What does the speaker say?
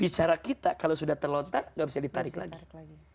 bicara kita kalau sudah terlontar gak bisa ditarik lagi